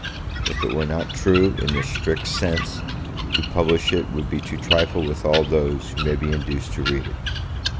If it were not true, in this strict sense, to publish it would be to trifle with all those who may be induced to read it.